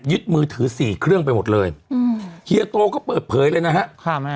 มือถือสี่เครื่องไปหมดเลยอืมเฮียโตก็เปิดเผยเลยนะฮะค่ะแม่